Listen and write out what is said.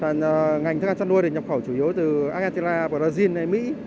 ngành thức ăn chăn nuôi được nhập khẩu chủ yếu từ argentina brazil mỹ